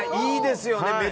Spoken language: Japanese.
いいですよね。